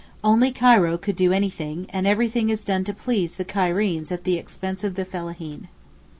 Only Cairo could do anything, and everything is done to please the Cairenes at the expense of the fellaheen.